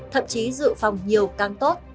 thậm chí dự phòng nhiều càng tốt